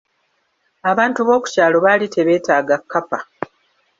Abantu b'okukyalo baali tebeetaaga kkapa.